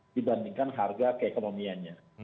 dibandingkan harga keekonomiannya